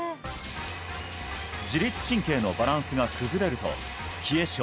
自律神経のバランスが崩れると冷え症